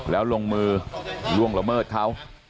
แล้วลงมือล่วงละเมิดเขา